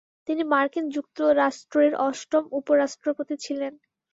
তিনি মার্কিন যুক্তরাষ্ট্রের অষ্টম উপ-রাষ্ট্রপতি ছিলেন।